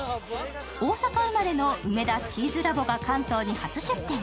大阪生まれのウメダチーズラボが関東に初出店。